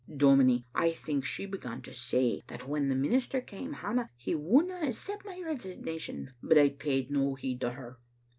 " Dominie, I think she began to say that when the minister came hame he wouldna accept my resignation, but I paid no heed to her.